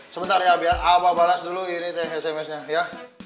sebentar ya biar abah balas dulu ini sms nya ya